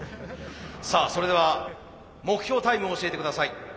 さあそれでは目標タイムを教えてください。